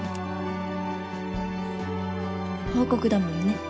報告だもんね。